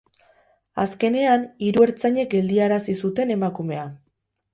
Azkenean, hiru ertzainek geldiarazi zuten emakumea.